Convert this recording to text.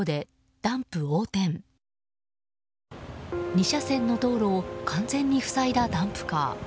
２車線の道路を完全に塞いだダンプカー。